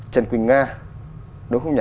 trần quỳnh nga đúng không nhỉ